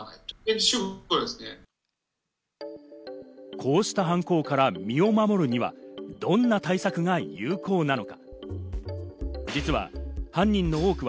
こうした犯行から身を守るには、どんな対策が有効なのか。